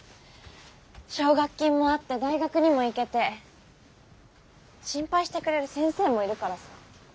奨学金もあって大学にも行けて心配してくれる先生もいるからさ。